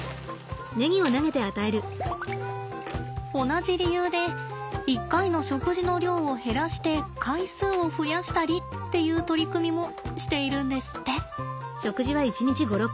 同じ理由で一回の食事の量を減らして回数を増やしたりっていう取り組みもしているんですって。